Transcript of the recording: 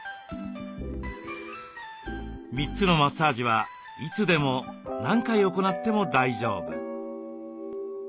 ３つのマッサージはいつでも何回行っても大丈夫。